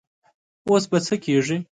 اوس به څه کيږي؟